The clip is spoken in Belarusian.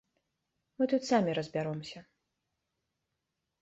Мы тут самі разбяромся.